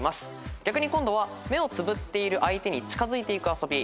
逆に今度は目をつぶっている相手に近づいていく遊び。